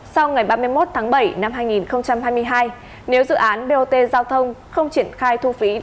sau ngày ba mươi một tháng bảy năm hai nghìn hai mươi hai nếu dự án bot giao thông không triển khai thu phí